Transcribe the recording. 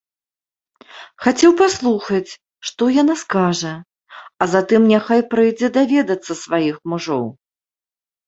Хацеў паслухаць, што яна скажа, а затым няхай прыйдзе даведацца сваіх мужоў.